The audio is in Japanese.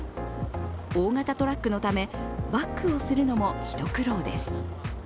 大型トラックのため、バックをするのも一苦労です。